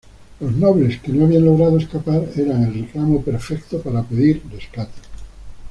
Los nobles que no habían logrado escapar eran el reclamo perfecto para pedir rescates.